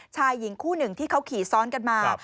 ชายหญิงคู่หนึ่งที่เขาขี่ซ้อนกันมา